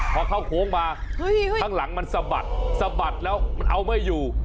พอเข้าโค้งมาข้างหลังมันสะบัดสะบัดแล้วมันเอาไม่อยู่